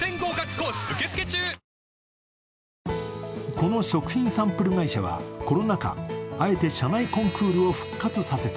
この食品サンプル会社はコロナ禍、あえて社内コンクールを復活させた。